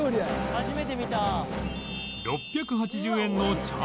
「初めて見た」